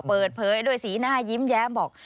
เปิดเผยด้วยสีหน้ายิ้มแย้มบอก